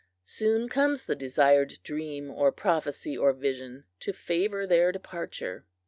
Soon comes the desired dream or prophecy or vision to favor their departure.